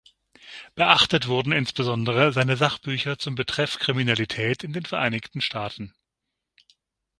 Beachtet wurden insbesondere seine Sachbücher zum Betreff Kriminalität in den Vereinigten Staaten.